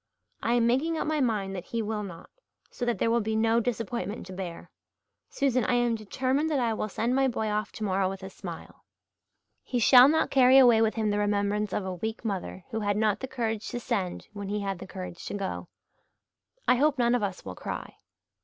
I am making up my mind that he will not, so that there will be no disappointment to bear. Susan, I am determined that I will send my boy off tomorrow with a smile. He shall not carry away with him the remembrance of a weak mother who had not the courage to send when he had the courage to go. I hope none of us will cry."